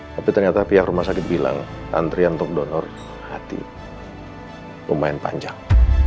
tapi ternyata pihak rumah sakit bilang antrian untuk donor hati lumayan panjang